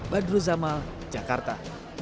badru zamal jakarta